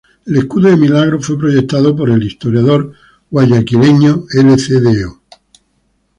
El escudo de Milagro fue proyectado por el historiador Guayaquileño Lcdo.